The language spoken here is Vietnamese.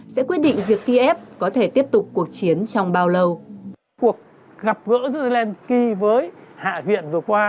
sẽ quyết định việc kiev có thể tiếp tục cuộc chiến trong bao lâu